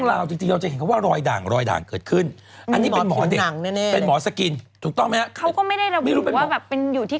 อ้าวจริงเรานี่